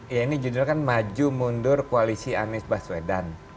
ya ini judul kan maju mundur koalisi anies baswedan